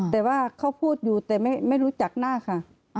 แต่ว่าเขาพูดอยู่แต่ไม่รู้จักหน้าค่ะ